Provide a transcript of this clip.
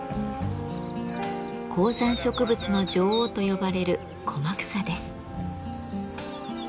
高山植物の女王と呼ばれるコマクサです。